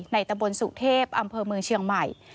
ตะบนสุเทพอำเภอเมืองเชียงใหม่